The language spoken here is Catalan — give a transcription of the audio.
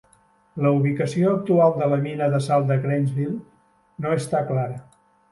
La ubicació actual de la mina de sal de Greigsville no està clara.